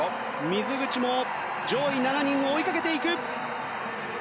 水口も上位７人を追いかけていく。